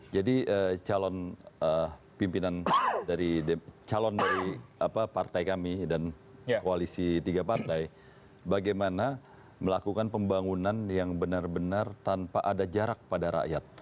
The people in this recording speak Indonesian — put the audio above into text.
jadi calon pimpinan dari calon dari partai kami dan koalisi tiga partai bagaimana melakukan pembangunan yang benar benar tanpa ada jarak pada rakyat